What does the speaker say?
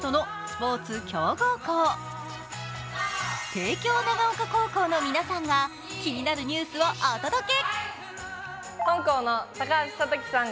帝京長岡高校の皆さんが気になるニュースをお届け。